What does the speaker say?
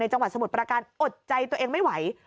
จังหวัดสมุทรประการอดใจตัวเองไม่ไหว